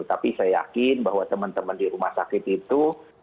tapi saya yakin bahwa teman teman di rumah sakit itu